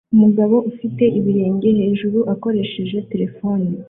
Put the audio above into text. Umugabo ufite ibirenge hejuru akoresheje terefone